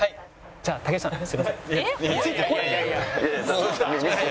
じゃあ竹内さんすいません。